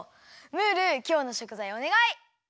ムールきょうのしょくざいをおねがい！